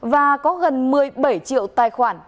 và có gần một mươi bảy triệu tài khoản